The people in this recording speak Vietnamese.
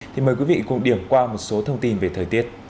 thì mời quý vị cùng điểm qua một số thông tin về thời tiết